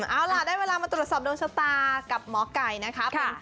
เอาล่ะได้เวลามาตรวจสอบดวงชะตากับหมอไก่นะคะ